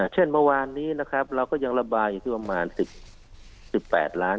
เช่นเมื่อวานนี้นะครับเราก็ยังระบายอยู่ที่ประมาณ๑๘ล้าน